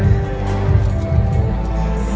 สโลแมคริปราบาล